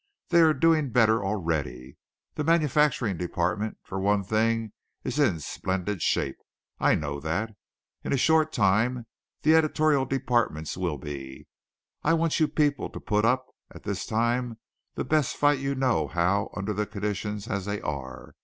They are doing better already. The manufacturing department, for one thing, is in splendid shape. I know that. In a short time the editorial departments will be. I want you people to put up, at this time, the best fight you know how under the conditions as they are.